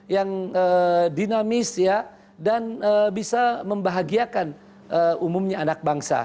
yang dinamis ya dan bisa membahagiakan umumnya anak bangsa